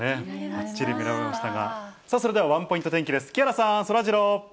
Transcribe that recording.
ばっちり見られましたが、それではワンポイント天気です。